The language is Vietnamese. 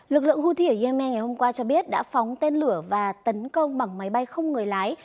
lực lượng houthi ở yemen ngày hôm qua cho biết đã phóng tên lửa và tấn công bằng máy bay không người lái